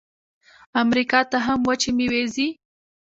امریکا ته هم وچې میوې ځي.